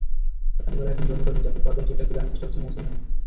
রানীবালা একজন যৌনকর্মী, যাঁকে পর্দায় ঠিকঠাক তুলে আনার চেষ্টা করছেন মৌসুমী হামিদ।